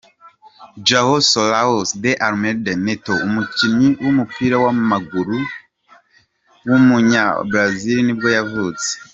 João Soares de Almeida Neto, umukinnyi w’umupira w’amaguru w’umunyabrazil nibwo yavutse.